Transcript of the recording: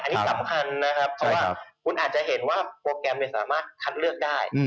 อันนี้สำคัญนะครับเพราะว่าคุณอาจจะเห็นว่าโปรแกรมสามารถคัดเลือกได้